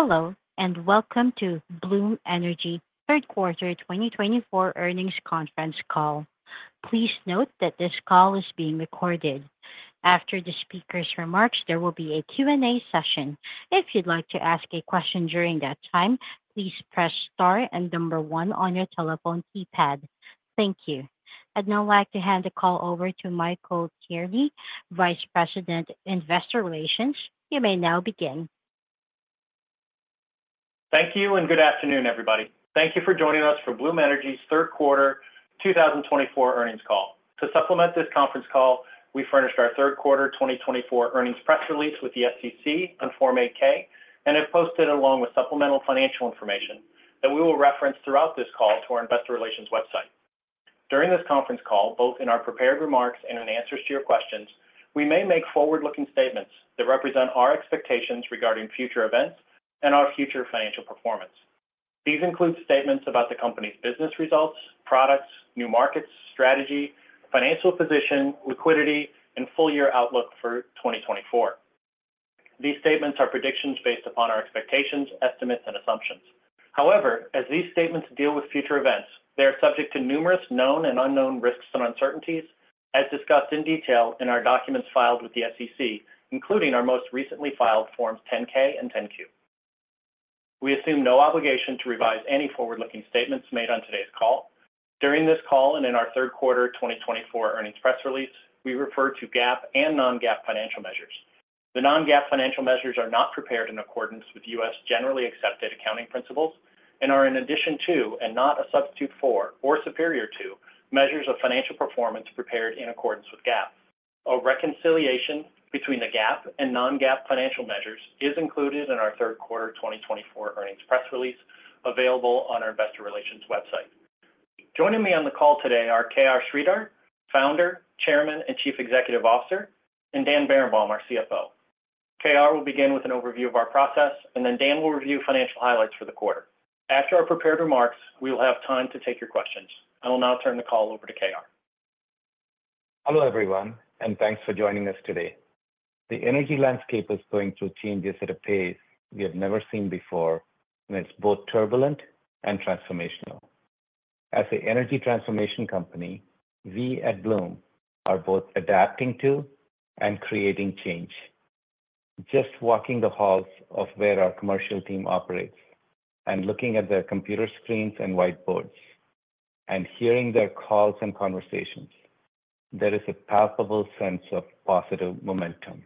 Hello and Welcome to Bloom Energy Q3 2024 Earnings Conference Call. Please note that this call is being recorded. After the speaker's remarks, there will be a Q&A session. If you'd like to ask a question during that time, please press star and number one on your telephone keypad. Thank you. I'd now like to hand the call over to Michael Tierney, Vice President, Investor Relations. You may now begin. Thank you, and good afternoon, everybody. Thank you for joining us for Bloom Energy's Q3 2024 Earnings Call. To supplement this conference call, we furnished our Q3 2024 Earnings press release with the SEC and Form 8-K, and have posted it along with supplemental financial information that we will reference throughout this call to our Investor Relations website. During this conference call, both in our prepared remarks and in answers to your questions, we may make forward-looking statements that represent our expectations regarding future events and our future financial performance. These include statements about the company's business results, products, new markets, strategy, financial position, liquidity, and full-year outlook for 2024. These statements are predictions based upon our expectations, estimates, and assumptions. However, as these statements deal with future events, they are subject to numerous known and unknown risks and uncertainties, as discussed in detail in our documents filed with the SEC, including our most recently filed Forms 10-K and 10-Q. We assume no obligation to revise any forward-looking statements made on today's call. During this call and in our Q3 2024 earnings press release, we refer to GAAP and non-GAAP financial measures. The non-GAAP financial measures are not prepared in accordance with US generally accepted accounting principles and are an addition to, and not a substitute for, or superior to, measures of financial performance prepared in accordance with GAAP. A reconciliation between the GAAP and non-GAAP financial measures is included in our Q3 2024 earnings press release available on our Investor Relations website. Joining me on the call today are K.R. Sridhar, Founder, Chairman, and Chief Executive Officer, and Dan Berenbaum, our CFO. K.R. will begin with an overview of our process, and then Dan will review financial highlights for the quarter. After our prepared remarks, we will have time to take your questions. I will now turn the call over to K.R. Hello, everyone, and thanks for joining us today. The energy landscape is going through changes at a pace we have never seen before, and it's both turbulent and transformational. As an energy transformation company, we at Bloom are both adapting to and creating change. Just walking the halls of where our commercial team operates and looking at their computer screens and whiteboards and hearing their calls and conversations, there is a palpable sense of positive momentum.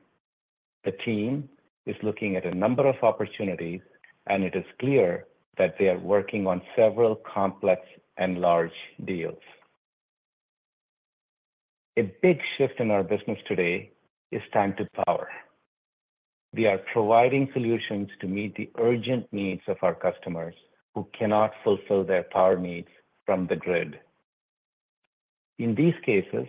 The team is looking at a number of opportunities, and it is clear that they are working on several complex and large deals. A big shift in our business today is time to power. We are providing solutions to meet the urgent needs of our customers who cannot fulfill their power needs from the grid. In these cases,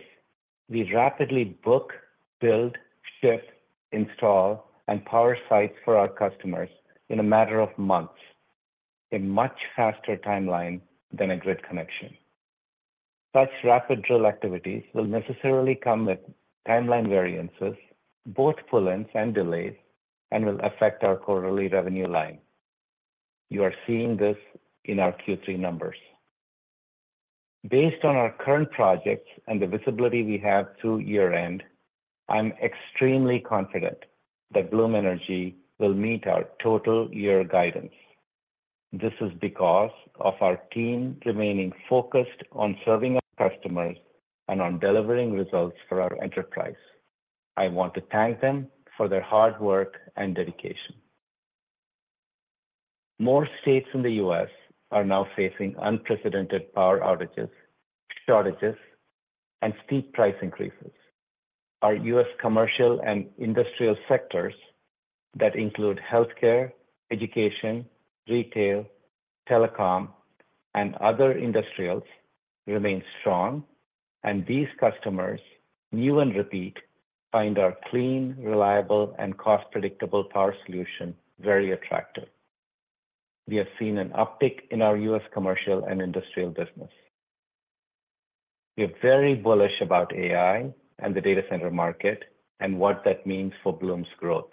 we rapidly book, build, ship, install, and power sites for our customers in a matter of months, a much faster timeline than a grid connection. Such rapid deal activities will necessarily come with timeline variances, both pull-ins and delays, and will affect our quarterly revenue line. You are seeing this in our Q3 numbers. Based on our current projects and the visibility we have through year-end, I'm extremely confident that Bloom Energy will meet our total year guidance. This is because of our team remaining focused on serving our customers and on delivering results for our enterprise. I want to thank them for their hard work and dedication. More states in the US are now facing unprecedented power outages, shortages, and steep price increases. Our US commercial and industrial sectors that include healthcare, education, retail, telecom, and other industrials remain strong, and these customers, new and repeat, find our clean, reliable, and cost-predictable power solution very attractive. We have seen an uptick in our US commercial and industrial business. We are very bullish about AI and the data center market and what that means for Bloom's growth.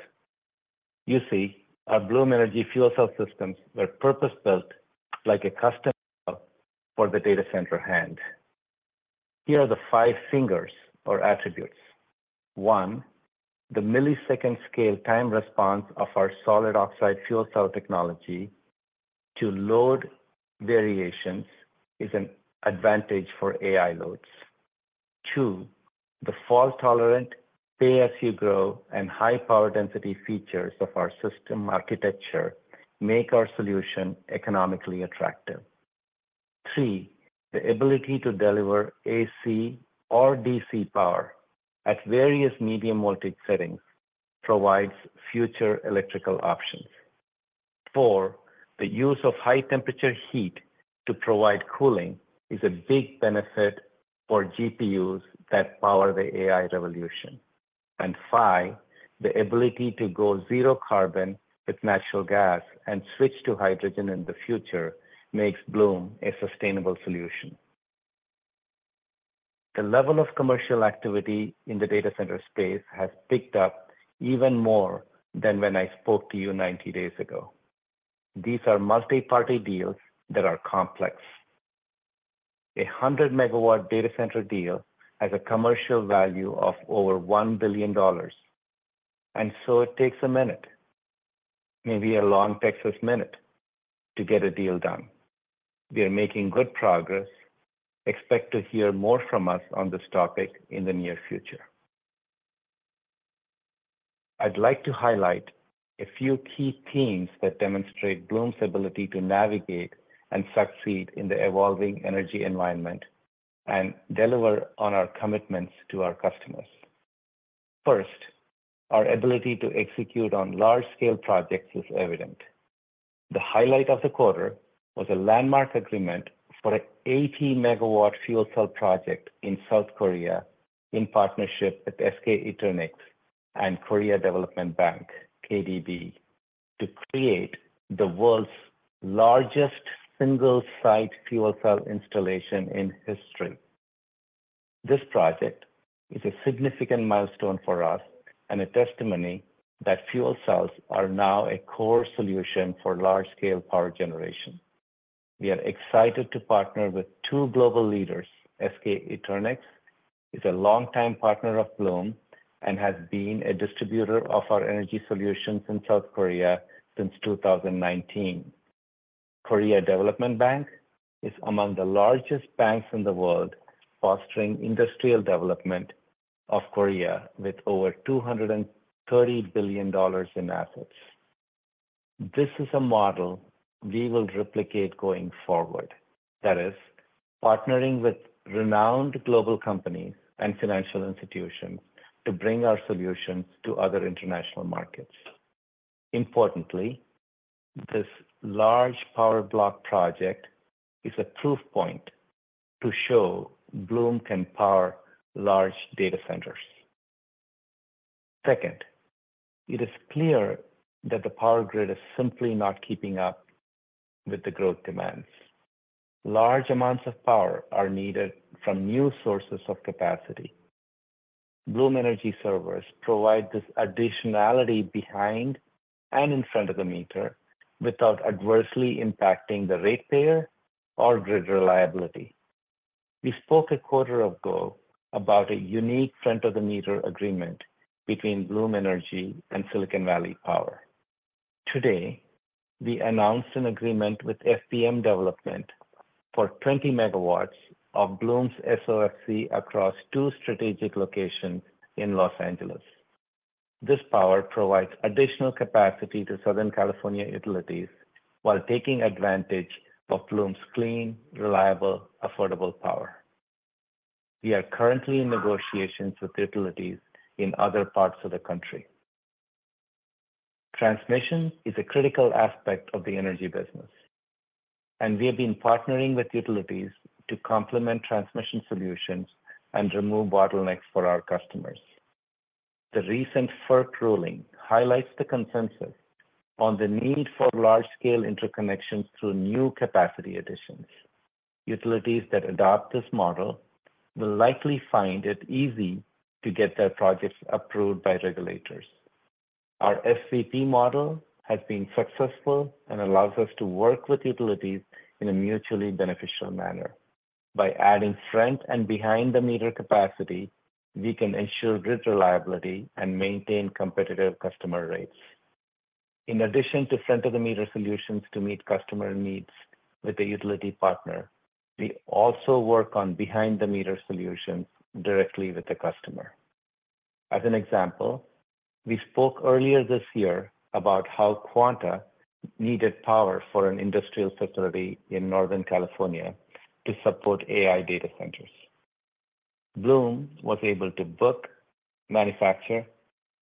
You see, our Bloom Energy fuel cell systems were purpose-built like a custom cell for the data center hand. Here are the five fingers or attributes. One, the millisecond-scale time response of our solid oxide fuel cell technology to load variations is an advantage for AI loads. Two, the fault-tolerant, pay-as-you-grow, and high-power density features of our system architecture make our solution economically attractive. Three, the ability to deliver AC or DC power at various medium voltage settings provides future electrical options. Four, the use of high-temperature heat to provide cooling is a big benefit for GPUs that power the AI revolution. And five, the ability to go zero carbon with natural gas and switch to hydrogen in the future makes Bloom a sustainable solution. The level of commercial activity in the data center space has picked up even more than when I spoke to you 90 days ago. These are multi-party deals that are complex. A 100-megawatt data center deal has a commercial value of over $1 billion, and so it takes a minute, maybe a long Texas minute, to get a deal done. We are making good progress. Expect to hear more from us on this topic in the near future. I'd like to highlight a few key themes that demonstrate Bloom's ability to navigate and succeed in the evolving energy environment and deliver on our commitments to our customers. First, our ability to execute on large-scale projects is evident. The highlight of the quarter was a landmark agreement for an 80 megawatt fuel cell project in South Korea in partnership with SK Eternix and Korea Development Bank, KDB, to create the world's largest single-site fuel cell installation in history. This project is a significant milestone for us and a testimony that fuel cells are now a core solution for large-scale power generation. We are excited to partner with two global leaders. SK Eternix is a longtime partner of Bloom and has been a distributor of our energy solutions in South Korea since 2019. Korea Development Bank is among the largest banks in the world fostering industrial development of Korea with over $230 billion in assets. This is a model we will replicate going forward. That is, partnering with renowned global companies and financial institutions to bring our solutions to other international markets. Importantly, this large power block project is a proof point to show Bloom can power large data centers. Second, it is clear that the power grid is simply not keeping up with the growth demands. Large amounts of power are needed from new sources of capacity. Bloom Energy Servers provide this additionality behind and in front of the meter without adversely impacting the ratepayer or grid reliability. We spoke a quarter ago about a unique front-of-the-meter agreement between Bloom Energy and Silicon Valley Power. Today, we announced an agreement with FPM Development for 20 megawatts of Bloom's SOFC across two strategic locations in Los Angeles. This power provides additional capacity to Southern California utilities while taking advantage of Bloom's clean, reliable, affordable power. We are currently in negotiations with utilities in other parts of the country. Transmission is a critical aspect of the energy business, and we have been partnering with utilities to complement transmission solutions and remove bottlenecks for our customers. The recent FERC ruling highlights the consensus on the need for large-scale interconnections through new capacity additions. Utilities that adopt this model will likely find it easy to get their projects approved by regulators. Our SVP model has been successful and allows us to work with utilities in a mutually beneficial manner. By adding front and behind-the-meter capacity, we can ensure grid reliability and maintain competitive customer rates. In addition to front-of-the-meter solutions to meet customer needs with the utility partner, we also work on behind-the-meter solutions directly with the customer. As an example, we spoke earlier this year about how Quanta needed power for an industrial facility in Northern California to support AI data centers. Bloom was able to book, manufacture,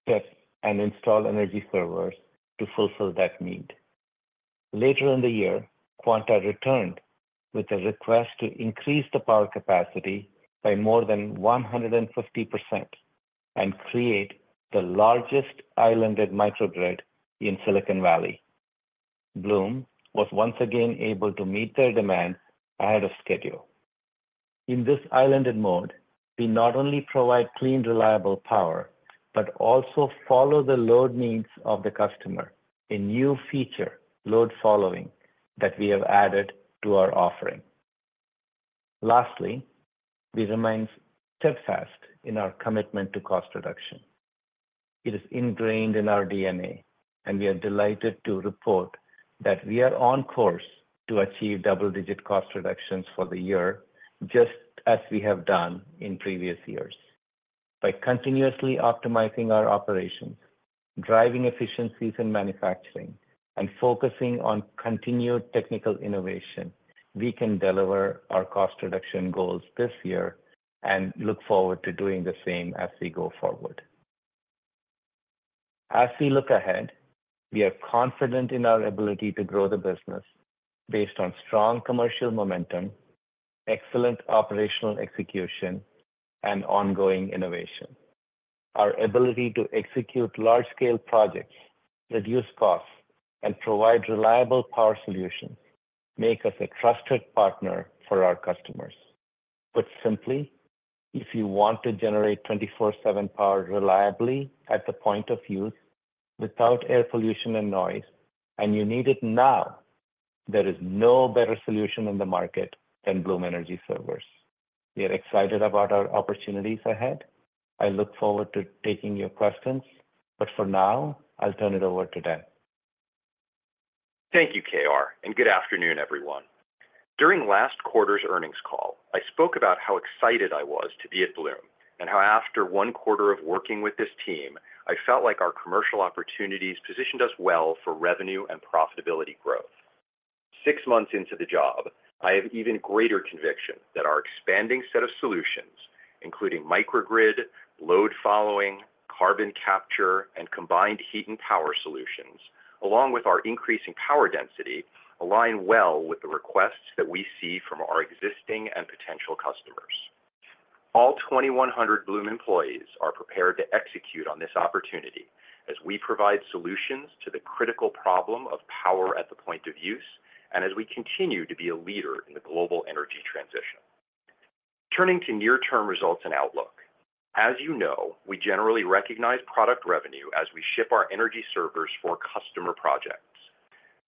ship, and install energy servers to fulfill that need. Later in the year, Quanta returned with a request to increase the power capacity by more than 150% and create the largest islanded microgrid in Silicon Valley. Bloom was once again able to meet their demands ahead of schedule. In this islanded mode, we not only provide clean, reliable power but also follow the load needs of the customer, a new feature, load following, that we have added to our offering. Lastly, we remain steadfast in our commitment to cost reduction. It is ingrained in our DNA and we are delighted to report that we are on course to achieve double-digit cost reductions for the year, just as we have done in previous years. By continuously optimizing our operations, driving efficiencies in manufacturing, focusing on continued technical innovation, we can deliver our cost reduction goals this year and look forward to doing the same as we go forward. As we look ahead, we are confident in our ability to grow the business based on strong commercial momentum, excellent operational execution, and ongoing innovation. Our ability to execute large-scale projects, reduce costs, and provide reliable power solutions makes us a trusted partner for our customers. Put simply, if you want to generate 24/7 power reliably at the point of use without air pollution and noise, and you need it now, there is no better solution in the market than Bloom Energy Servers. We are excited about our opportunities ahead. I look forward to taking your questions, but for now, I'll turn it over to Dan. Thank you, K.R. Good afternoon, everyone. During last quarter's Earnings Call, I spoke about how excited I was to be at Bloom and how, after one quarter of working with this team, I felt like our commercial opportunities positioned us well for revenue and profitability growth. Six months into the job, I have even greater conviction that our expanding set of solutions, including microgrid, load following, carbon capture, and combined heat and power solutions, along with our increasing power density, align well with the requests that we see from our existing and potential customers. All 2,100 Bloom employees are prepared to execute on this opportunity as we provide solutions to the critical problem of power at the point of use and as we continue to be a leader in the global energy transition. Turning to near-term results and outlook, as you know, we generally recognize product revenue as we ship our energy servers for customer projects.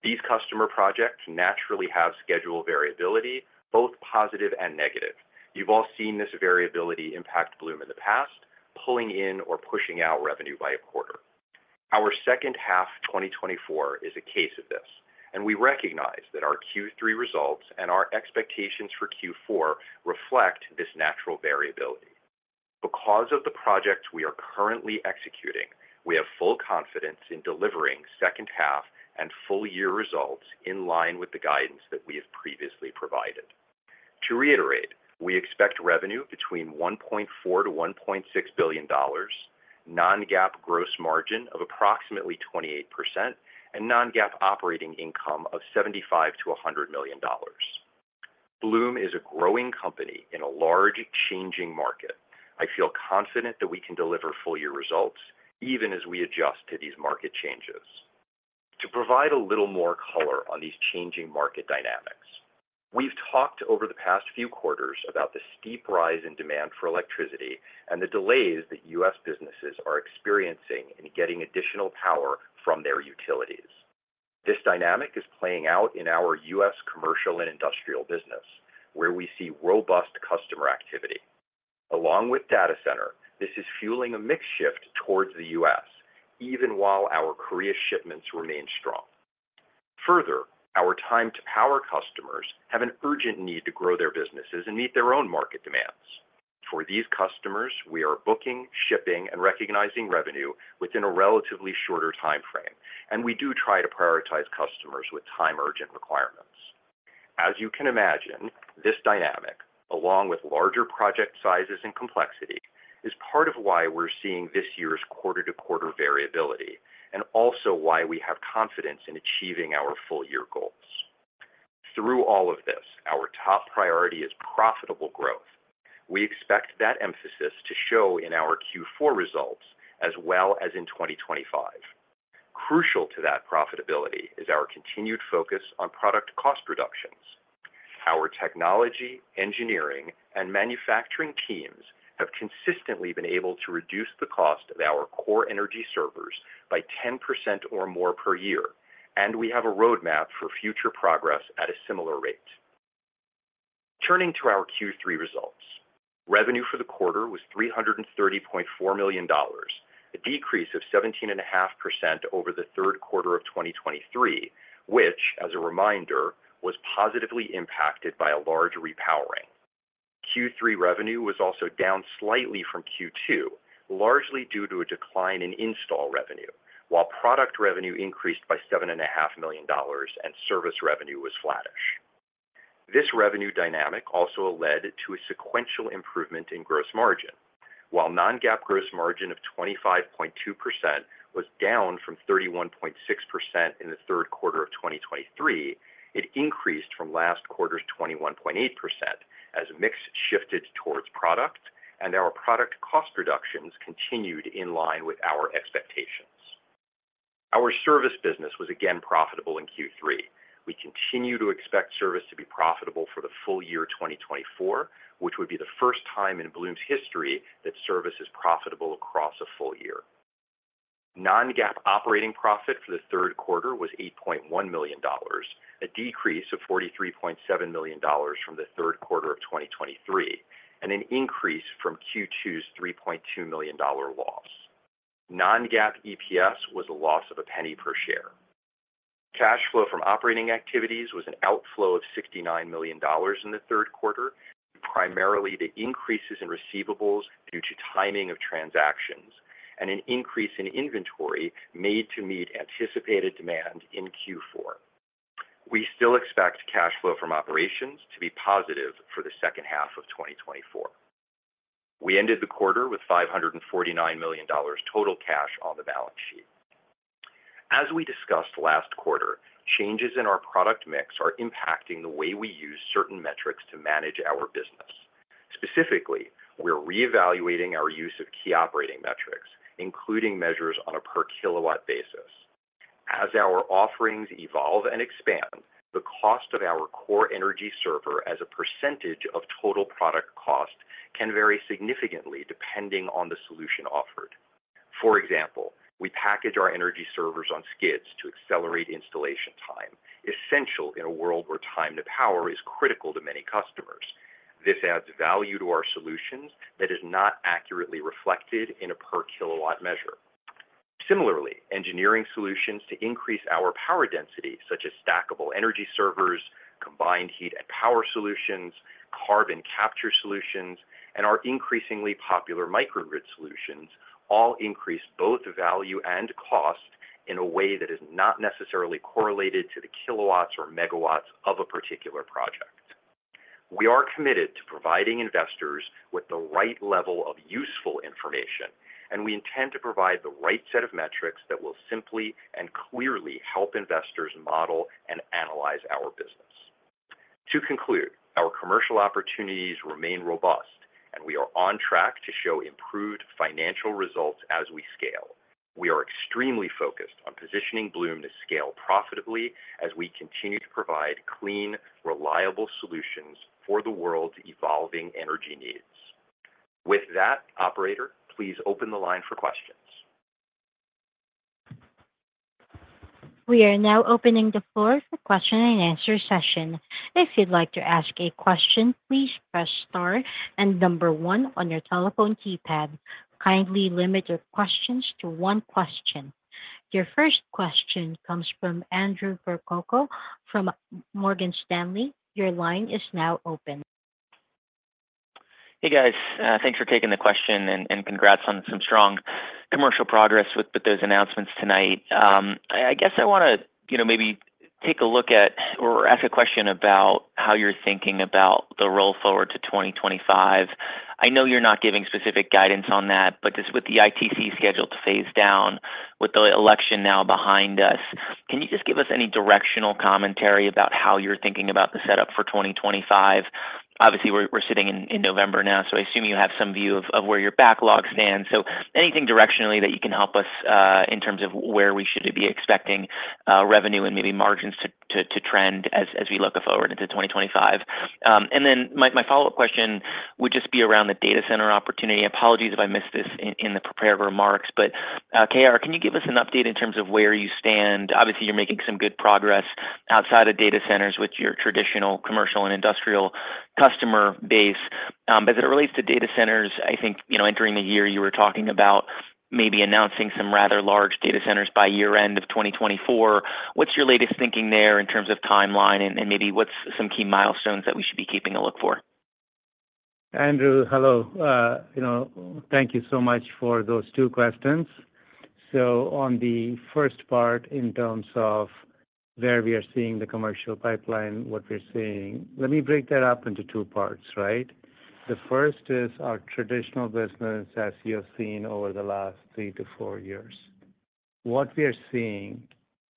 These customer projects naturally have schedule variability, both positive and negative. You've all seen this variability impact Bloom in the past, pulling in or pushing out revenue by a quarter. Our second half 2024 is a case of this, and we recognize that our Q3 results and our expectations for Q4 reflect this natural variability. Because of the projects we are currently executing, we have full confidence in delivering second half and full year results in line with the guidance that we have previously provided. To reiterate, we expect revenue between $1.4 billion-$1.6 billion, non-GAAP gross margin of approximately 28%, and non-GAAP operating income of $75 million-$100 million. Bloom is a growing company in a large, changing market. I feel confident that we can deliver full year results even as we adjust to these market changes. To provide a little more color on these changing market dynamics, we've talked over the past few quarters about the steep rise in demand for electricity and the delays that US businesses are experiencing in getting additional power from their utilities. This dynamic is playing out in our US commercial and industrial business, where we see robust customer activity. Along with data center, this is fueling a mixed shift towards the US, even while our Korea shipments remain strong. Further, our time-to-power customers have an urgent need to grow their businesses and meet their own market demands. For these customers, we are booking, shipping, and recognizing revenue within a relatively shorter time frame, and we do try to prioritize customers with time-urgent requirements. As you can imagine, this dynamic, along with larger project sizes and complexity, is part of why we're seeing this year's quarter-to-quarter variability and also why we have confidence in achieving our full year goals. Through all of this, our top priority is profitable growth. We expect that emphasis to show in our Q4 results as well as in 2025. Crucial to that profitability is our continued focus on product cost reductions. Our technology, engineering, and manufacturing teams have consistently been able to reduce the cost of our core energy servers by 10% or more per year, and we have a roadmap for future progress at a similar rate. Turning to our Q3 results, revenue for the quarter was $330.4 million, a decrease of 17.5% over the Q3 of 2023, which, as a reminder, was positively impacted by a large repowering. Q3 revenue was also down slightly from Q2, largely due to a decline in install revenue, while product revenue increased by $7.5 million and service revenue was flattish. This revenue dynamic also led to a sequential improvement in gross margin. While non-GAAP gross margin of 25.2% was down from 31.6% in the Q3 of 2023, it increased from last quarter's 21.8% as mix shifted towards product, and our product cost reductions continued in line with our expectations. Our service business was again profitable in Q3. We continue to expect service to be profitable for the full year 2024, which would be the first time in Bloom's history that service is profitable across a full year. Non-GAAP operating profit for the Q3 was $8.1 million, a decrease of $43.7 million from the Q3 of 2023, and an increase from Q2's $3.2 million loss. Non-GAAP EPS was a loss of $0.01 per share. Cash flow from operating activities was an outflow of $69 million in the Q3, primarily the increases in receivables due to timing of transactions and an increase in inventory made to meet anticipated demand in Q4. We still expect cash flow from operations to be positive for the second half of 2024. We ended the quarter with $549 million total cash on the balance sheet. As we discussed last quarter, changes in our product mix are impacting the way we use certain metrics to manage our business. Specifically, we're reevaluating our use of key operating metrics, including measures on a per-kilowatt basis. As our offerings evolve and expand, the cost of our core energy server as a percentage of total product cost can vary significantly depending on the solution offered. For example, we package our energy servers on skids to accelerate installation time, essential in a world where time-to-power is critical to many customers. This adds value to our solutions that is not accurately reflected in a per-kilowatt measure. Similarly, engineering solutions to increase our power density, such as stackable energy servers, combined heat and power solutions, carbon capture solutions, and our increasingly popular microgrid solutions, all increase both value and cost in a way that is not necessarily correlated to the kilowatts or megawatts of a particular project. We are committed to providing investors with the right level of useful information, and we intend to provide the right set of metrics that will simply and clearly help investors model and analyze our business. To conclude, our commercial opportunities remain robust, and we are on track to show improved financial results as we scale. We are extremely focused on positioning Bloom to scale profitably as we continue to provide clean, reliable solutions for the world's evolving energy needs. With that, operator, please open the line for questions. We are now opening the floor for question and answer session. If you'd like to ask a question, please press star and number one on your telephone keypad. Kindly limit your questions to one question. Your first question comes from Andrew Percoco from Morgan Stanley. Your line is now open. Hey, guys. Thanks for taking the question and congrats on some strong commercial progress with those announcements tonight. I guess I want to maybe take a look at or ask a question about how you're thinking about the roll forward to 2025. I know you're not giving specific guidance on that, but just with the ITC schedule to phase down, with the election now behind us, can you just give us any directional commentary about how you're thinking about the setup for 2025? Obviously, we're sitting in November now, so I assume you have some view of where your backlog stands. So anything directionally that you can help us in terms of where we should be expecting revenue and maybe margins to trend as we look forward into 2025? And then my follow-up question would just be around the data center opportunity. Apologies if I missed this in the prepared remarks, but K.R., can you give us an update in terms of where you stand? Obviously, you're making some good progress outside of data centers with your traditional commercial and industrial customer base. As it relates to data centers, entering the year, you were talking about maybe announcing some rather large data centers by year-end of 2024. What's your latest thinking there in terms of timeline, and maybe what's some key milestones that we should be keeping a look for? Andrew, hello. Thank you so much for those two questions. So on the first part, in terms of where we are seeing the commercial pipeline, what we're seeing, let me break that up into two parts, right? The first is our traditional business, as you have seen over the last three to four years. What we are seeing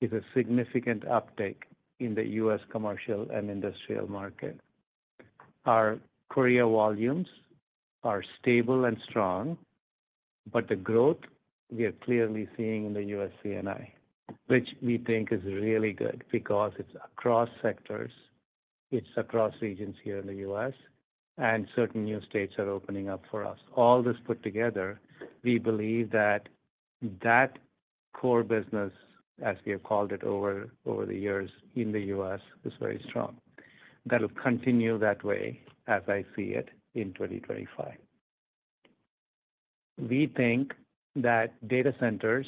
is a significant uptake in the US commercial and industrial market. Our Korea volumes are stable and strong, but the growth we are clearly seeing in the US C&I, which we think is really good because it's across sectors, it's across regions here in the US, and certain new states are opening up for us. All this put together, we believe that that core business, as we have called it over the years in the US, is very strong. That'll continue that way, as I see it, in 2025. We think that data centers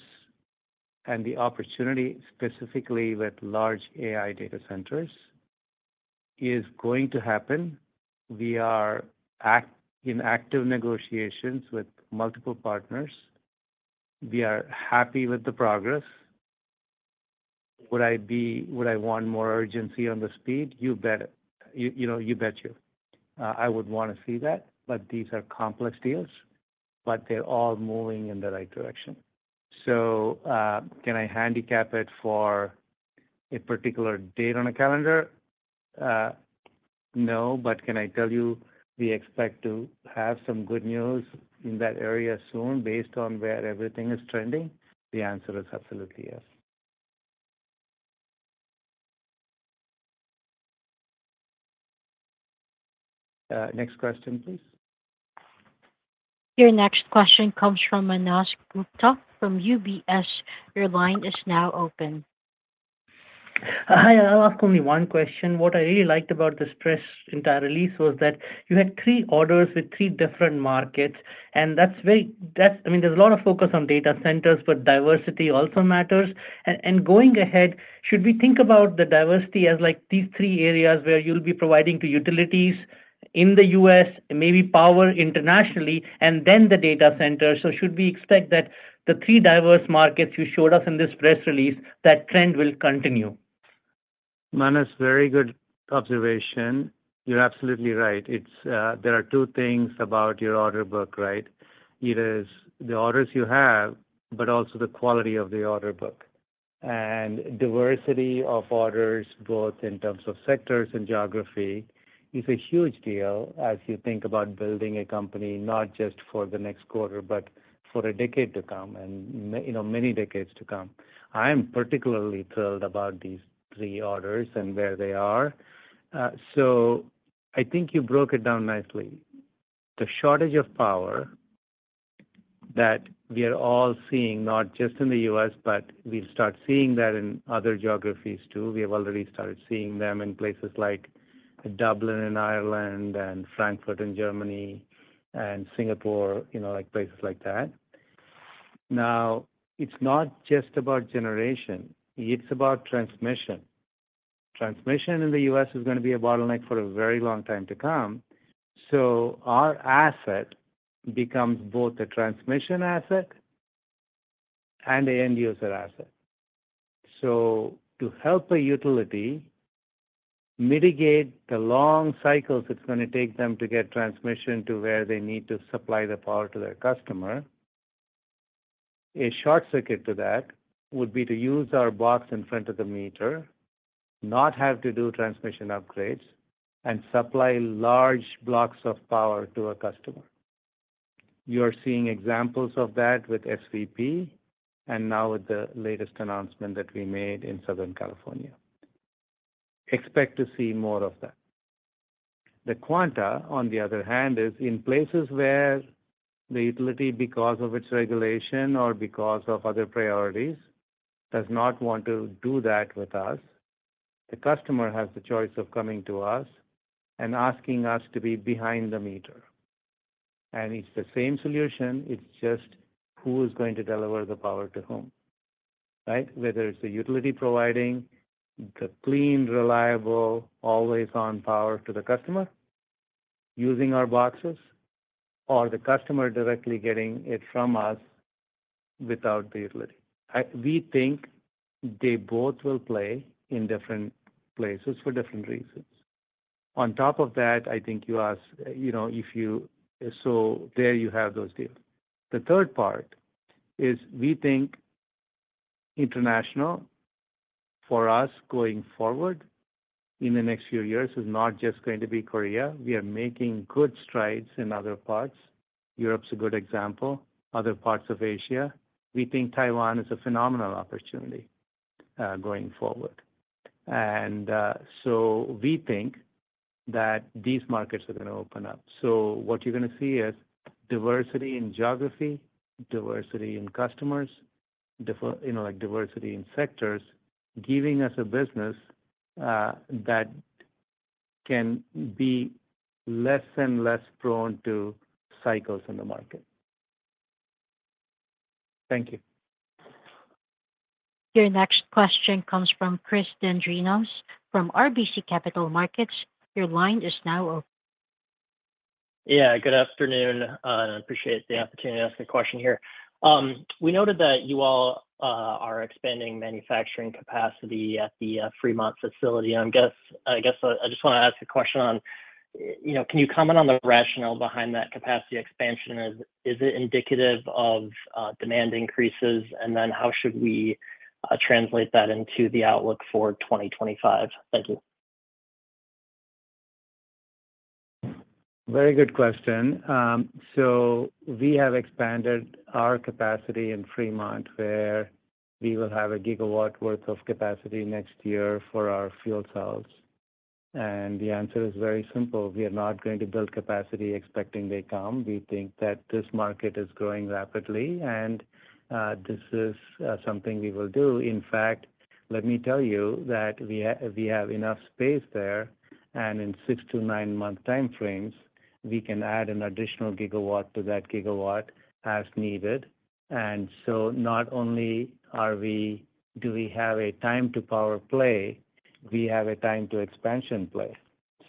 and the opportunity, specifically with large AI data centers, is going to happen. We are in active negotiations with multiple partners. We are happy with the progress. Would I want more urgency on the speed? You bet you. I would want to see that, but these are complex deals, but they're all moving in the right direction. So can I handicap it for a particular date on a calendar? No, but can I tell you we expect to have some good news in that area soon based on where everything is trending? The answer is absolutely yes. Next question, please. Your next question comes from Manav Gupta from UBS. Your line is now open. Hi, I'll ask only one question. What I really liked about the stress in that release was that you had three orders with three different markets, there's a lot of focus on data centers, but diversity also matters. And going ahead, should we think about the diversity as these three areas where you'll be providing to utilities in the US, maybe power internationally, and then the data centers? So should we expect that the three diverse markets you showed us in this press release, that trend will continue? Manav, very good observation. You're absolutely right. There are two things about your order book, right? It is the orders you have, but also the quality of the order book. And diversity of orders, both in terms of sectors and geography, is a huge deal as you think about building a company not just for the next quarter, but for a decade to come and many decades to come. I am particularly thrilled about these three orders and where they are. So I think you broke it down nicely. The shortage of power that we are all seeing, not just in the US, but we'll start seeing that in other geographies too. We have already started seeing them in places like Dublin in Ireland and Frankfurt in Germany and Singapore, places like that. Now, it's not just about generation. It's about transmission. Transmission in the US Is going to be a bottleneck for a very long time to come. So our asset becomes both a transmission asset and an end-user asset. So to help a utility mitigate the long cycles it's going to take them to get transmission to where they need to supply the power to their customer, a short circuit to that would be to use our box in front of the meter, not have to do transmission upgrades, and supply large blocks of power to a customer. You're seeing examples of that with SVP and now with the latest announcement that we made in Southern California. Expect to see more of that. The Quanta, on the other hand, is in places where the utility, because of its regulation or because of other priorities, does not want to do that with us. The customer has the choice of coming to us and asking us to be behind the meter. And it's the same solution. It's just who is going to deliver the power to whom, right? Whether it's the utility providing the clean, reliable, always-on power to the customer using our boxes or the customer directly getting it from us without the utility. We think they both will play in different places for different reasons. On top of that, I think you asked if you—so there you have those deals. The third part is we think international for us going forward in the next few years is not just going to be Korea. We are making good strides in other parts. Europe's a good example. Other parts of Asia. We think Taiwan is a phenomenal opportunity going forward. And so we think that these markets are going to open up. So what you're going to see is diversity in geography, diversity in customers, diversity in sectors giving us a business that can be less and less prone to cycles in the market. Thank you. Your next question comes from Chris Dendrinos from RBC Capital Markets. Your line is now open. Yeah, good afternoon. I appreciate the opportunity to ask a question here. We noted that you all are expanding manufacturing capacity at the Fremont facility. I guess I just want to ask a question: Can you comment on the rationale behind that capacity expansion? Is it indicative of demand increases, and then how should we translate that into the outlook for 2025? Thank you. Very good question. So we have expanded our capacity in Fremont where we will have a gigawatt worth of capacity next year for our fuel cells. And the answer is very simple. We are not going to build capacity expecting they come. We think that this market is growing rapidly, and this is something we will do. In fact, let me tell you that we have enough space there, and in six- to nine-month time frames, we can add an additional gigawatt to that gigawatt as needed. And so not only do we have a time-to-power play, we have a time-to-expansion play.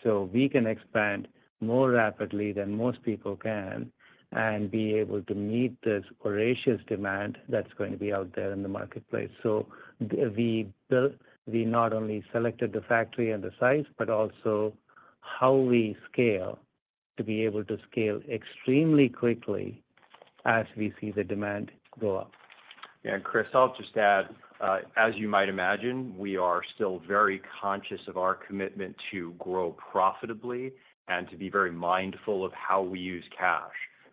So we can expand more rapidly than most people can and be able to meet this voracious demand that's going to be out there in the marketplace. So we not only selected the factory and the size, but also how we scale to be able to scale extremely quickly as we see the demand go up. Yeah, and Chris, I'll just add, as you might imagine, we are still very conscious of our commitment to grow profitably and to be very mindful of how we use cash.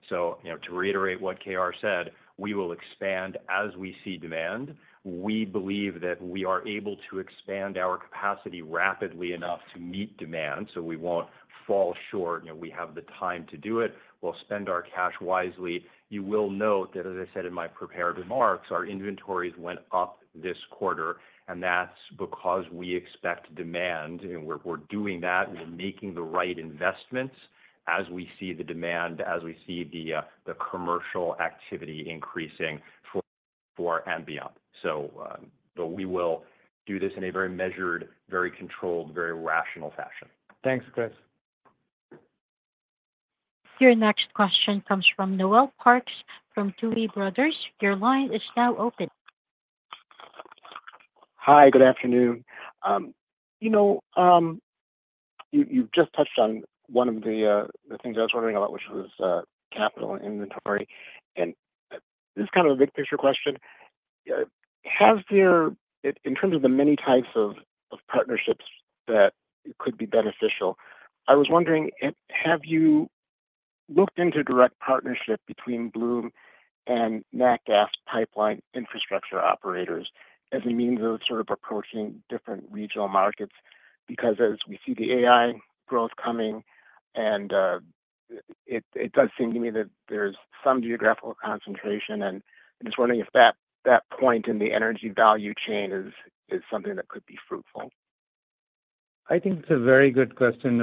So to reiterate what K.R. said, we will expand as we see demand. We believe that we are able to expand our capacity rapidly enough to meet demand so we won't fall short. We have the time to do it. We'll spend our cash wisely. You will note that, as I said in my prepared remarks, our inventories went up this quarter, and that's because we expect demand, and we're doing that. We're making the right investments as we see the demand, as we see the commercial activity increasing for AI and beyond. So we will do this in a very measured, very controlled, very rational fashion. Thanks, Chris. Your next question comes from Noel Parks from Tuohy Brothers. Your line is now open. Hi, good afternoon. You've just touched on one of the things I was wondering about, which was capital inventory. This is kind of a big-picture question. In terms of the many types of partnerships that could be beneficial, I was wondering, have you looked into direct partnership between Bloom and natural gas pipeline infrastructure operators as a means of sort of approaching different regional markets? Because as we see the AI growth coming, and it does seem to me that there's some geographical concentration, and I'm just wondering if that point in the energy value chain is something that could be fruitful. I think it's a very good question.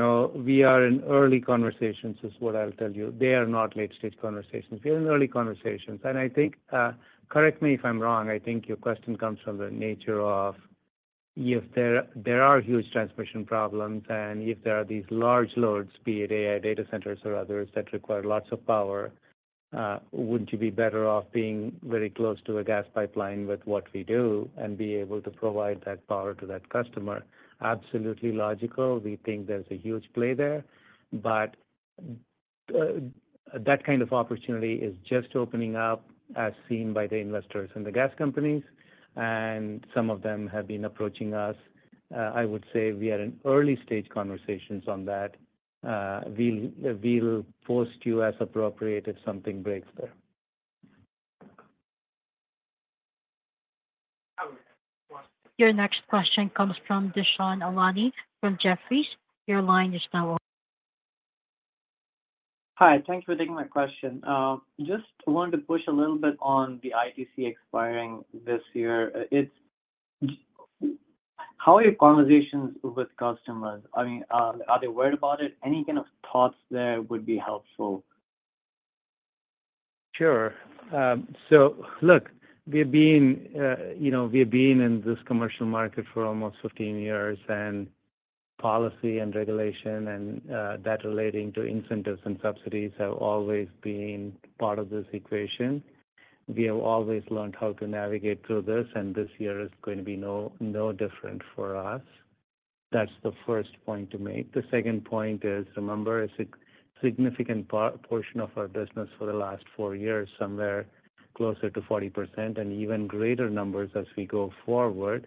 We are in early conversations, is what I'll tell you. They are not late-stage conversations. We are in early conversations. Correct me if I'm wrong, your question comes from the nature of if there are huge transmission problems and if there are these large loads, be it AI data centers or others that require lots of power, wouldn't you be better off being very close to a gas pipeline with what we do and be able to provide that power to that customer? Absolutely logical. We think there's a huge play there. But that kind of opportunity is just opening up, as seen by the investors and the gas companies, and some of them have been approaching us. I would say we are in early-stage conversations on that. We'll keep you posted as appropriate if something breaks there. Your next question comes from Dushyant Ailani from Jefferies. Your line is now. Hi, thanks for taking my question. Just wanted to push a little bit on the ITC expiring this year. How are your conversations with customers? Are they worried about it? Any kind of thoughts there would be helpful. Sure. So look, we've been in this commercial market for almost 15 years, and policy and regulation and that relating to incentives and subsidies have always been part of this equation. We have always learned how to navigate through this, and this year is going to be no different for us. That's the first point to make. The second point is, remember, it's a significant portion of our business for the last four years, somewhere closer to 40%, and even greater numbers as we go forward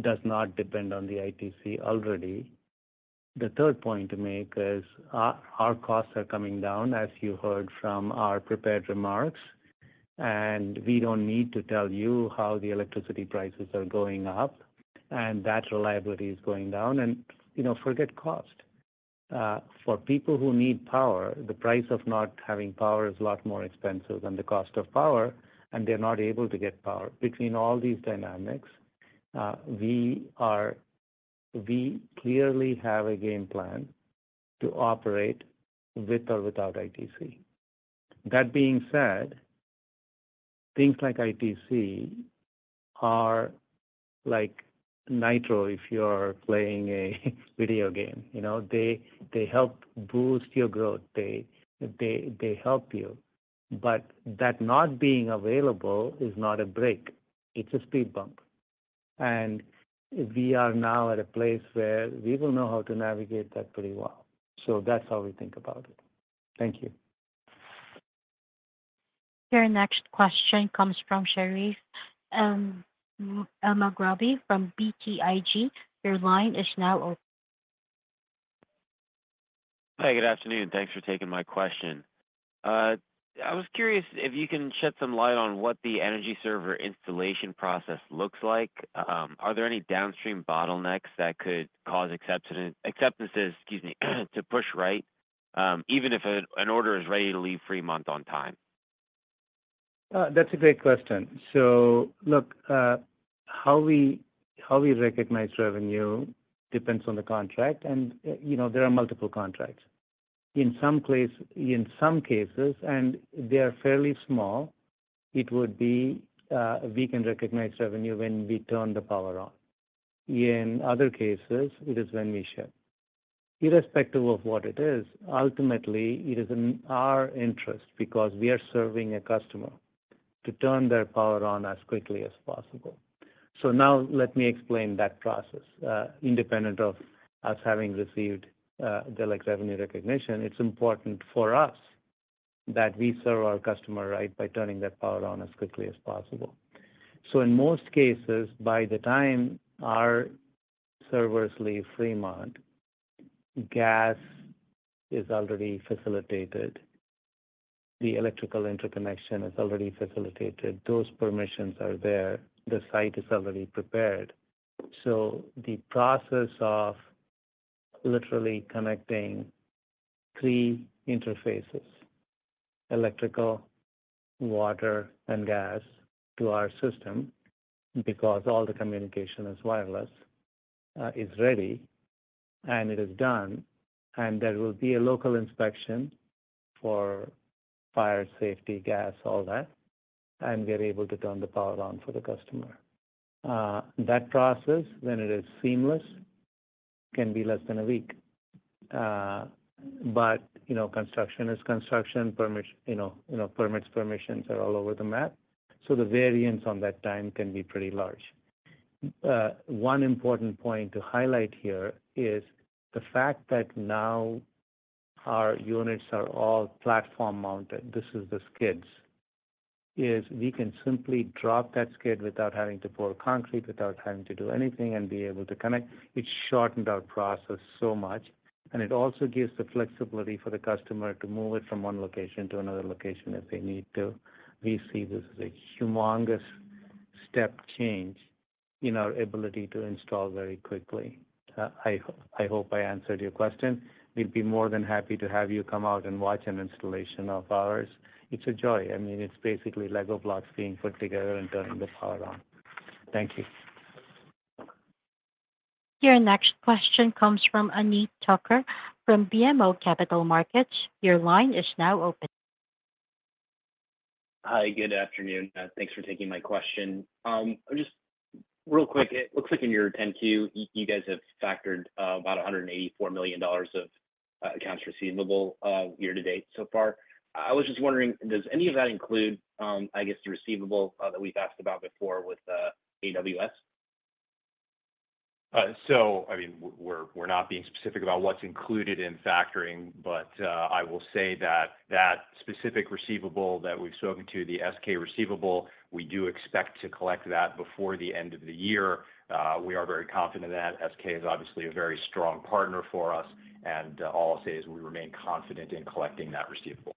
does not depend on the ITC already. The third point to make is our costs are coming down, as you heard from our prepared remarks, and we don't need to tell you how the electricity prices are going up, and that reliability is going down, and forget cost. For people who need power, the price of not having power is a lot more expensive than the cost of power, and they're not able to get power. Between all these dynamics, we clearly have a game plan to operate with or without ITC. That being said, things like ITC are like nitro if you're playing a video game. They help boost your growth. They help you. But that not being available is not a break. It's a speed bump, and we are now at a place where we will know how to navigate that pretty well, so that's how we think about it. Thank you. Your next question comes from Sherif El-Sabbahy from BTIG. Your line is now open. Hi, good afternoon. Thanks for taking my question. I was curious if you can shed some light on what the energy server installation process looks like. Are there any downstream bottlenecks that could cause acceptances, excuse me, to push right, even if an order is ready to leave Fremont on time? That's a great question. So look, how we recognize revenue depends on the contract, and there are multiple contracts. In some cases, and they are fairly small, it would be we can recognize revenue when we turn the power on. In other cases, it is when we ship. Irrespective of what it is, ultimately, it is in our interest because we are serving a customer to turn their power on as quickly as possible. So now let me explain that process. Independent of us having received the revenue recognition, it's important for us that we serve our customer right by turning their power on as quickly as possible. So in most cases, by the time our servers leave Fremont, gas is already facilitated. The electrical interconnection is already facilitated. Those permissions are there. The site is already prepared. So the process of literally connecting three interfaces: electrical, water, and gas to our system because all the communication is wireless is ready, and it is done, and there will be a local inspection for fire safety, gas, all that, and we are able to turn the power on for the customer. That process, when it is seamless, can be less than a week. But construction is construction. Permits permissions are all over the map. So the variance on that time can be pretty large. One important point to highlight here is the fact that now our units are all platform mounted. This is the skids. We can simply drop that skid without having to pour concrete, without having to do anything, and be able to connect. It shortened our process so much, and it also gives the flexibility for the customer to move it from one location to another location if they need to. We see this as a humongous step change in our ability to install very quickly. I hope I answered your question. We'd be more than happy to have you come out and watch an installation of ours. It's a joy. It's basically Lego blocks being put together and turning the power on. Thank you. Your next question comes from Ameet Thakkar from BMO Capital Markets. Your line is now open. Hi, good afternoon. Thanks for taking my question. Just real quick, it looks like in your 10-Q, you guys have factored about $184 million of accounts receivable year to date so far. I was just wondering, does any of that include, I guess, the receivable that we've asked about before with AWS? So, we're not being specific about what's included in factoring, but I will say that that specific receivable that we've spoken to, the SK receivable, we do expect to collect that before the end of the year. We are very confident in that. SK is obviously a very strong partner for us, and all I'll say is we remain confident in collecting that receivable.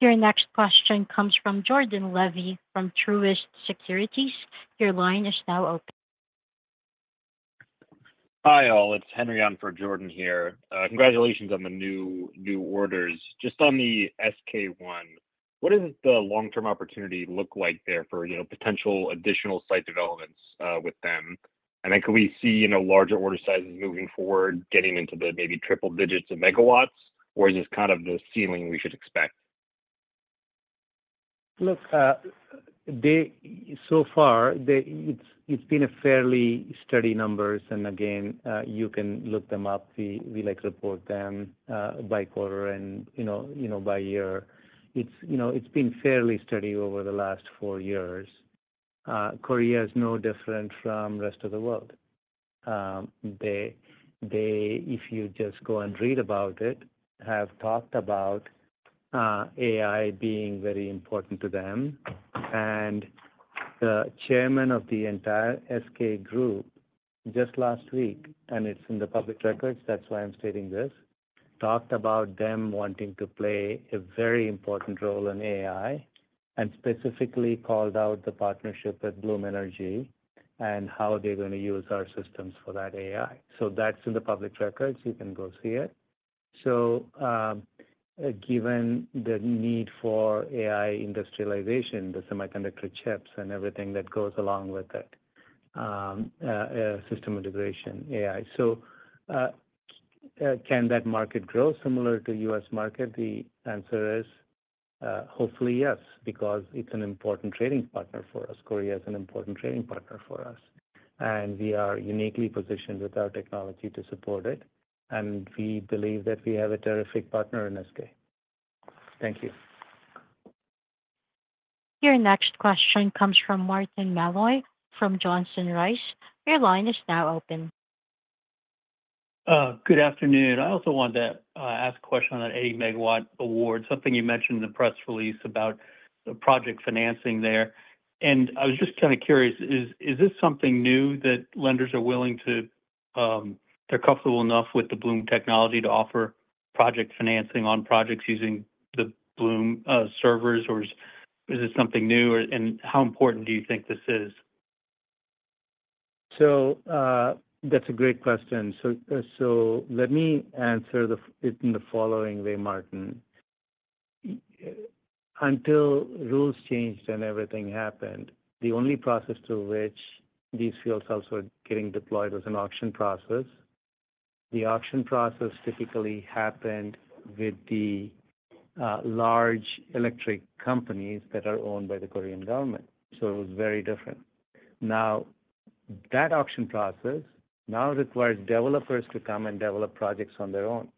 Your next question comes from Jordan Levy from Truist Securities. Your line is now open. Hi all. It's Henry on for Jordan here. Congratulations on the new orders. Just on the SK one, what does the long-term opportunity look like there for potential additional site developments with them? And then can we see larger order sizes moving forward, getting into the maybe triple digits of megawatts, or is this kind of the ceiling we should expect? Look, so far, it's been fairly steady numbers. And again, you can look them up. We report them by quarter and by year. It's been fairly steady over the last four years. Korea is no different from the rest of the world. If you just go and read about it, they have talked about AI being very important to them. And the chairman of the entire SK Group just last week, and it's in the public records, that's why I'm stating this, talked about them wanting to play a very important role in AI and specifically called out the partnership with Bloom Energy and how they're going to use our systems for that AI. So that's in the public records. You can go see it. So given the need for AI industrialization, the semiconductor chips and everything that goes along with it, system integration, AI. Can that market grow similar to the US market? The answer is hopefully yes because it's an important trading partner for us. Korea is an important trading partner for us, and we are uniquely positioned with our technology to support it. We believe that we have a terrific partner in SK. Thank you. Your next question comes from Martin Malloy from Johnson Rice. Your line is now open. Good afternoon. I also wanted to ask a question on that 80-megawatt award, something you mentioned in the press release about the project financing there. And I was just kind of curious, is this something new that lenders are willing to, they're comfortable enough with the Bloom technology to offer project financing on projects using the Bloom servers, or is this something new? And how important do you think this is? So that's a great question. So let me answer it in the following way, Martin. Until rules changed and everything happened, the only process through which these fuel cells were getting deployed was an auction process. The auction process typically happened with the large electric companies that are owned by the Korean government. So it was very different. Now, that auction process now requires developers to come and develop projects on their own.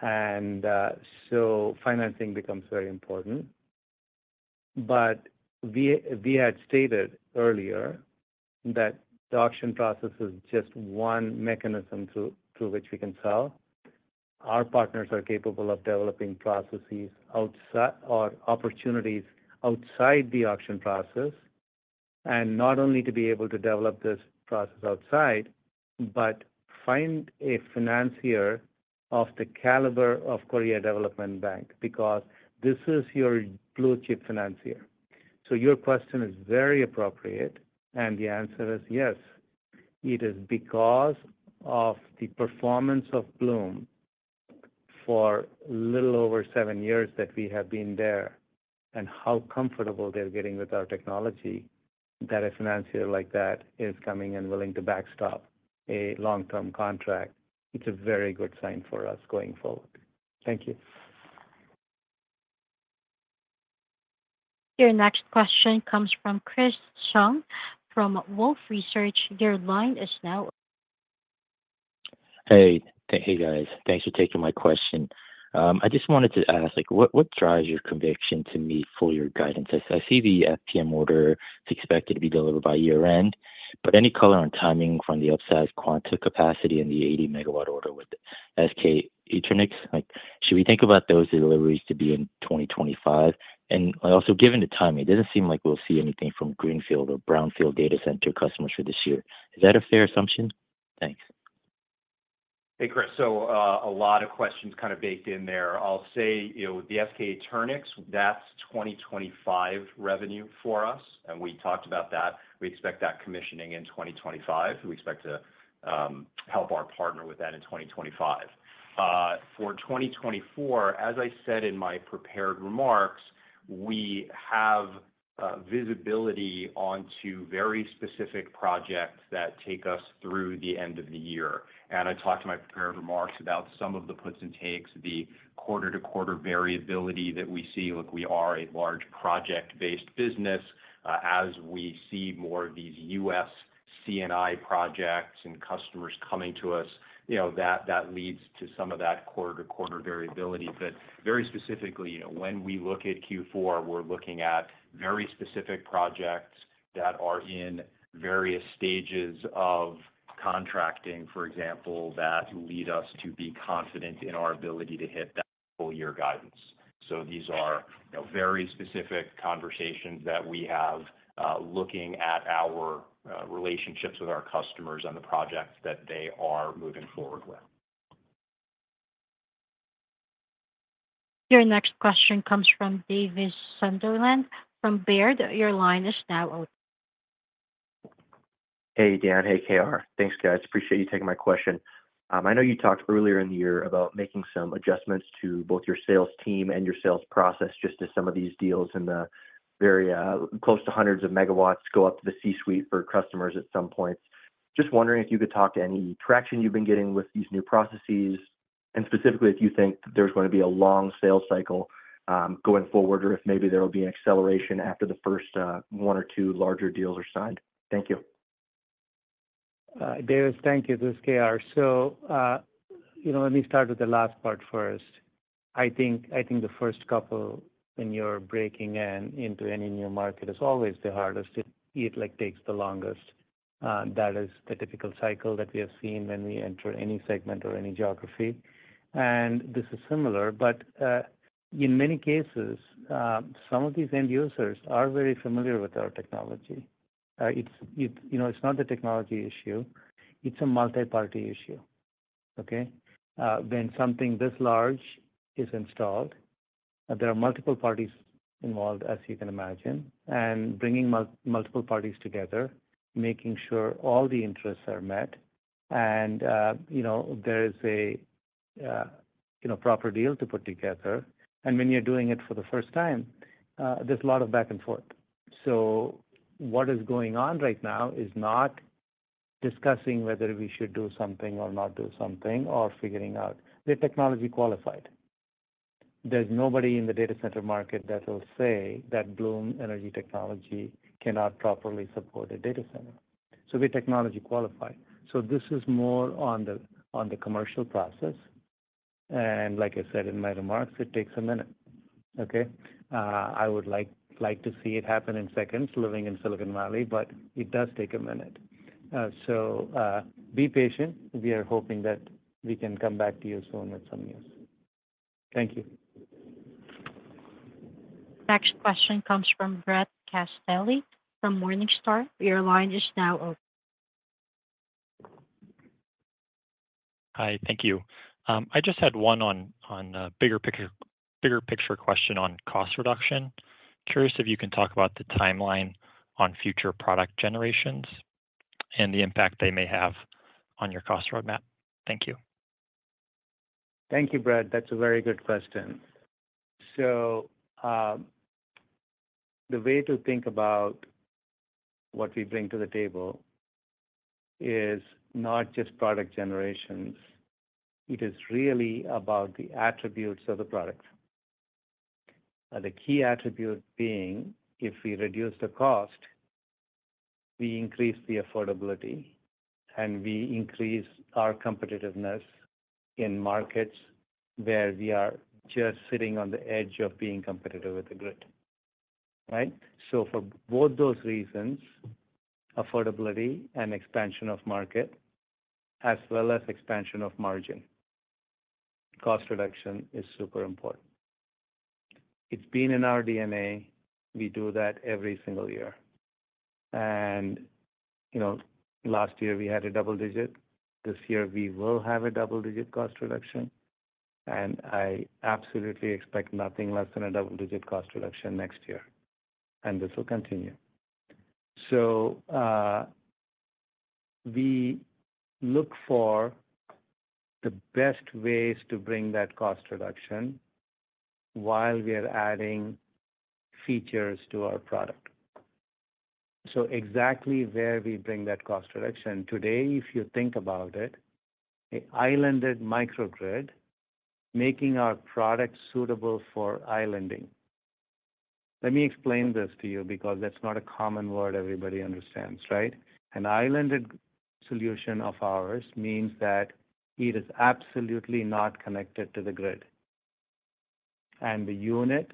And so financing becomes very important. But we had stated earlier that the auction process is just one mechanism through which we can sell. Our partners are capable of developing processes or opportunities outside the auction process, and not only to be able to develop this process outside, but find a financier of the caliber of Korea Development Bank because this is your blue-chip financier. So your question is very appropriate, and the answer is yes. It is because of the performance of Bloom for a little over seven years that we have been there and how comfortable they're getting with our technology that a financier like that is coming and willing to backstop a long-term contract. It's a very good sign for us going forward. Thank you. Your next question comes from Chris Senyek from Wolfe Research. Your line is now open. Hey. Hey, guys. Thanks for taking my question. I just wanted to ask, what drives your conviction to me for your guidance? I see the FPM order is expected to be delivered by year-end, but any color on timing from the upsized Quanta capacity and the 80-megawatt order with SK Eternix? Should we think about those deliveries to be in 2025? And also, given the timing, it doesn't seem like we'll see anything from greenfield or brownfield data center customers for this year. Is that a fair assumption? Thanks. Hey, Chris. So a lot of questions kind of baked in there. I'll say with the SK Eternix, that's 2025 revenue for us, and we talked about that. We expect that commissioning in 2025. We expect to help our partner with that in 2025. For 2024, as I said in my prepared remarks, we have visibility onto very specific projects that take us through the end of the year. And I talked in my prepared remarks about some of the puts and takes, the quarter-to-quarter variability that we see. Look, we are a large project-based business. As we see more of these US C&I projects and customers coming to us, that leads to some of that quarter-to-quarter variability. But very specifically, when we look at Q4, we're looking at very specific projects that are in various stages of contracting, for example, that lead us to be confident in our ability to hit that full-year guidance. So these are very specific conversations that we have looking at our relationships with our customers and the projects that they are moving forward with. Your next question comes from Davis Sunderland from Baird. Your line is now open. Hey, Dan. Hey, K.R. Thanks, guys. Appreciate you taking my question. I know you talked earlier in the year about making some adjustments to both your sales team and your sales process just as some of these deals in the very close to hundreds of megawatts go up to the C-suite for customers at some points. Just wondering if you could talk to any traction you've been getting with these new processes and specifically if you think there's going to be a long sales cycle going forward or if maybe there will be an acceleration after the first one or two larger deals are signed. Thank you. Davis, thank you. This is K.R. So let me start with the last part first. The first couple when you're breaking into any new market is always the hardest. It takes the longest. That is the typical cycle that we have seen when we enter any segment or any geography. And this is similar, but in many cases, some of these end users are very familiar with our technology. It's not the technology issue. It's a multi-party issue. Okay? When something this large is installed, there are multiple parties involved, as you can imagine, and bringing multiple parties together, making sure all the interests are met, and there is a proper deal to put together. And when you're doing it for the first time, there's a lot of back and forth. So what is going on right now is not discussing whether we should do something or not do something or figuring out. We're technology qualified. There's nobody in the data center market that will say that Bloom Energy Technology cannot properly support a data center. So we're technology qualified. So this is more on the commercial process. And like I said in my remarks, it takes a minute. Okay? I would like to see it happen in seconds living in Silicon Valley, but it does take a minute. So be patient. We are hoping that we can come back to you soon with some news. Thank you. Next question comes from Brett Castelli from Morningstar. Your line is now open. Hi. Thank you. I just had one bigger picture question on cost reduction. Curious if you can talk about the timeline on future product generations and the impact they may have on your cost roadmap? Thank you. Thank you, Brett. That's a very good question. So the way to think about what we bring to the table is not just product generations. It is really about the attributes of the product. The key attribute being, if we reduce the cost, we increase the affordability, and we increase our competitiveness in markets where we are just sitting on the edge of being competitive with the grid. Right? So for both those reasons, affordability and expansion of market, as well as expansion of margin, cost reduction is super important. It's been in our DNA. We do that every single year. And last year, we had a double digit. This year, we will have a double-digit cost reduction. And I absolutely expect nothing less than a double-digit cost reduction next year. And this will continue. So we look for the best ways to bring that cost reduction while we are adding features to our product. So exactly where we bring that cost reduction. Today, if you think about it, an islanded microgrid making our product suitable for islanding. Let me explain this to you because that's not a common word everybody understands, right? An islanded solution of ours means that it is absolutely not connected to the grid. And the unit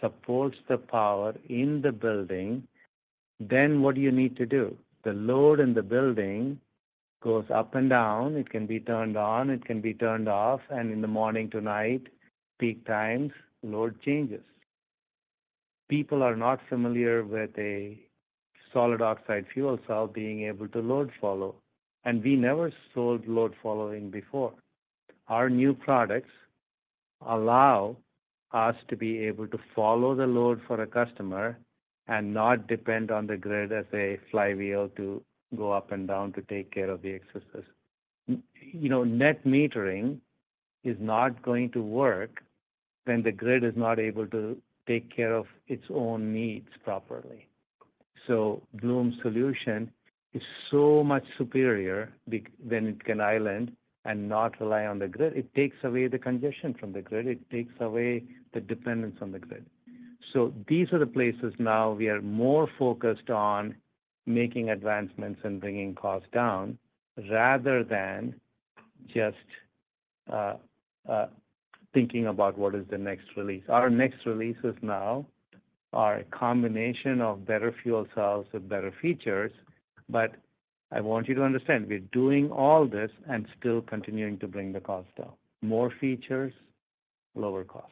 supports the power in the building. Then what do you need to do? The load in the building goes up and down. It can be turned on. It can be turned off. And in the morning to night, peak times, load changes. People are not familiar with a solid oxide fuel cell being able to load follow. And we never sold load following before. Our new products allow us to be able to follow the load for a customer and not depend on the grid as a flywheel to go up and down to take care of the excesses. Net metering is not going to work when the grid is not able to take care of its own needs properly. So Bloom's solution is so much superior when it can island and not rely on the grid. It takes away the congestion from the grid. It takes away the dependence on the grid. So these are the places now we are more focused on making advancements and bringing costs down rather than just thinking about what is the next release. Our next releases now are a combination of better fuel cells with better features. But I want you to understand, we're doing all this and still continuing to bring the cost down. More features, lower cost.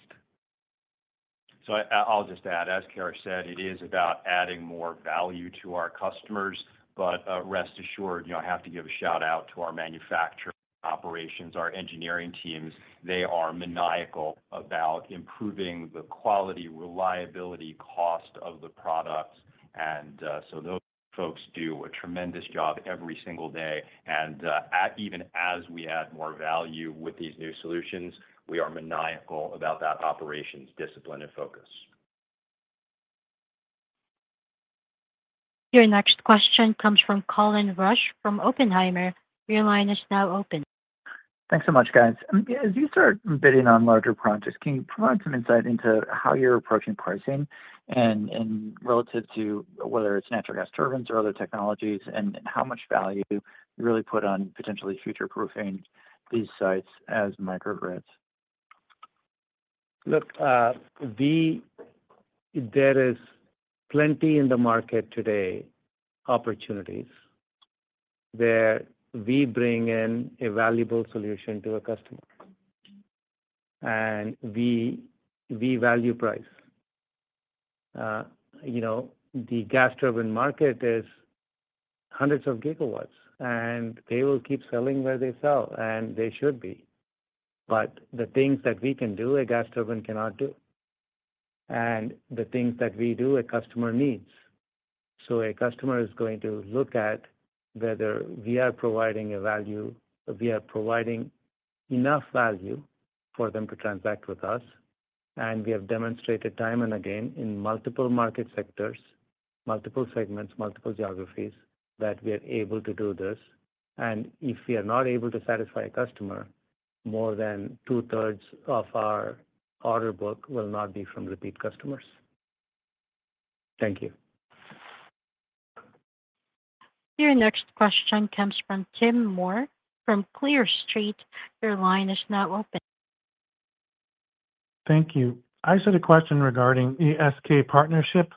I'll just add, as K.R. said, it is about adding more value to our customers. Rest assured, I have to give a shout-out to our manufacturing operations, our engineering teams. They are maniacal about improving the quality, reliability, cost of the products. Even as we add more value with these new solutions, we are maniacal about that operations discipline and focus. Your next question comes from Colin Rusch from Oppenheimer. Your line is now open. Thanks so much, guys. As you start bidding on larger projects, can you provide some insight into how you're approaching pricing relative to whether it's natural gas turbines or other technologies and how much value you really put on potentially future-proofing these sites as microgrids? Look, there is plenty in the market today of opportunities where we bring in a valuable solution to a customer. And we value price. The gas turbine market is hundreds of gigawatts, and they will keep selling where they sell, and they should be. But the things that we can do, a gas turbine cannot do. And the things that we do, a customer needs. So a customer is going to look at whether we are providing a value, we are providing enough value for them to transact with us. And we have demonstrated time and again in multiple market sectors, multiple segments, multiple geographies that we are able to do this. And if we are not able to satisfy a customer, more than two-thirds of our order book will not be from repeat customers. Thank you. Your next question comes from Tim Moore from Clear Street. Your line is now open. Thank you. I just had a question regarding the SK partnership.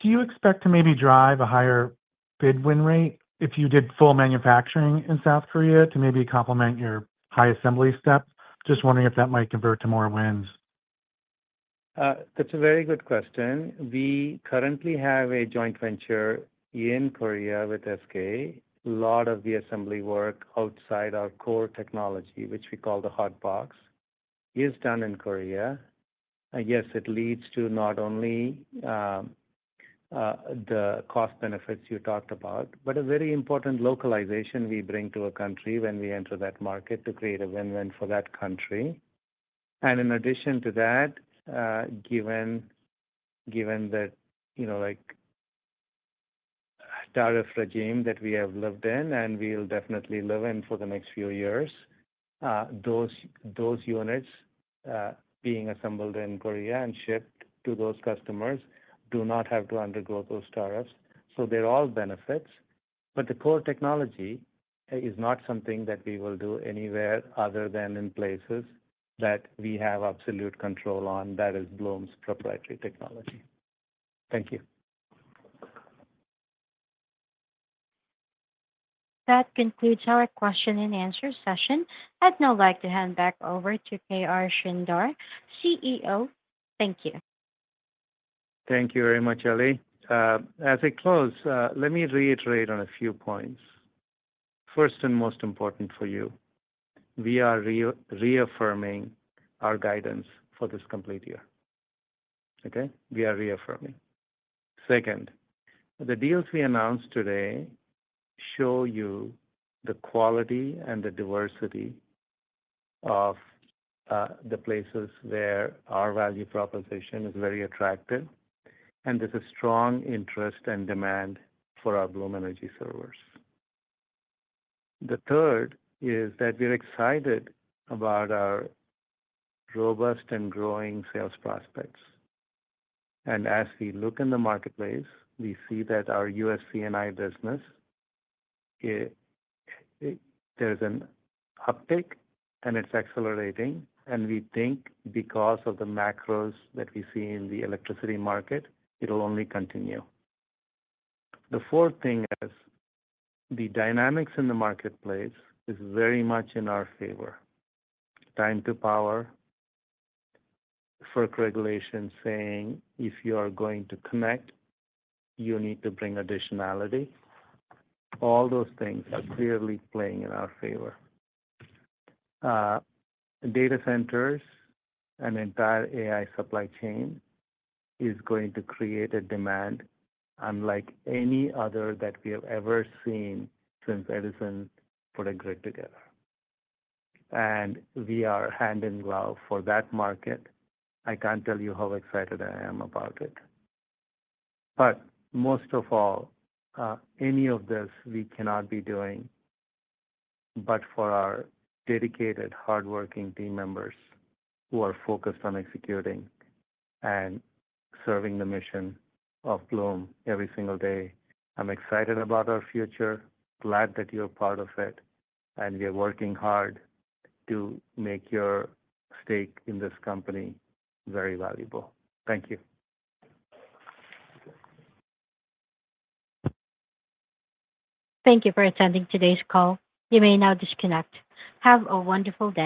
Do you expect to maybe drive a higher bid-win rate if you did full manufacturing in South Korea to maybe complement your high-assembly step? Just wondering if that might convert to more wins. That's a very good question. We currently have a joint venture in Korea with SK. A lot of the assembly work outside our core technology, which we call the hot box, is done in Korea. Yes, it leads to not only the cost benefits you talked about, but a very important localization we bring to a country when we enter that market to create a win-win for that country. And in addition to that, given the tariff regime that we have lived in and we'll definitely live in for the next few years, those units being assembled in Korea and shipped to those customers do not have to undergo those tariffs. So they're all benefits. But the core technology is not something that we will do anywhere other than in places that we have absolute control on. That is Bloom's proprietary technology. Thank you. That concludes our question-and-answer session. I'd now like to hand back over to K.R. Sridhar, CEO. Thank you. Thank you very much, Ellie. As we close, let me reiterate on a few points. First and most important for you, we are reaffirming our guidance for this complete year. Okay? We are reaffirming. Second, the deals we announced today show you the quality and the diversity of the places where our value proposition is very attractive, and there's a strong interest and demand for our Bloom Energy Servers. The third is that we're excited about our robust and growing sales prospects. And as we look in the marketplace, we see that our US C&I business, there's an uptick, and it's accelerating. And we think because of the macros that we see in the electricity market, it'll only continue. The fourth thing is the dynamics in the marketplace is very much in our favor. Time to power, FERC regulations saying if you are going to connect, you need to bring additionality. All those things are clearly playing in our favor. Data centers and entire AI supply chain is going to create a demand unlike any other that we have ever seen since Edison put a grid together, and we are hand in glove for that market. I can't tell you how excited I am about it, but most of all, any of this we cannot be doing but for our dedicated, hardworking team members who are focused on executing and serving the mission of Bloom every single day. I'm excited about our future, glad that you're part of it, and we are working hard to make your stake in this company very valuable. Thank you. Thank you for attending today's call. You may now disconnect. Have a wonderful day.